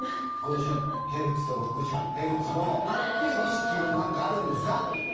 ５０ヘルツと６０ヘルツの組織の、何かあるんですか？